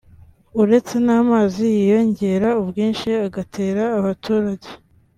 uretse n’amazi yiyongera ubwinshi agatera abaturage